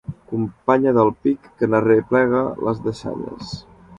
Companya del pic que n'arreplega les deixalles.